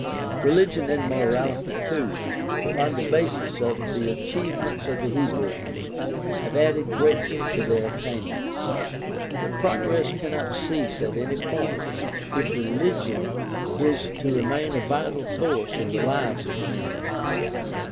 Religion and morality too, upon the basis of the achievements of the Hebrews, have added greatly to their attainments. But progress cannot cease at any point if religion is to remain a vital force in the lives of men.